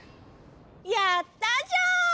やったじゃん！